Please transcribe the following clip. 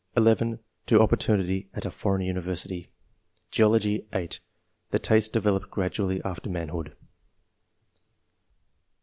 (11) To opportunity at [a foreign university]. Geology. — (8) The tastes developed gradually after manhood.